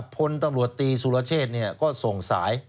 พลตำรวจตีสุรเชษก็ส่งสาย